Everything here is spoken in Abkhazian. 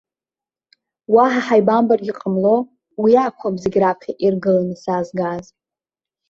Уаҳа ҳаибамбаргьы ҟамло, уи акәхап зегь раԥхьа иргыланы саазгаз.